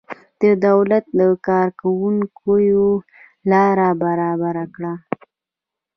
د دولت کارکوونکیو لاره برابره کړه.